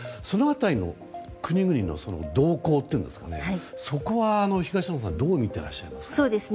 その辺りの国々の動向というかそこは東野さんどう見てらっしゃいますか？